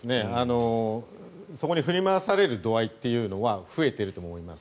そこに振り回される度合いというのは増えていると思います。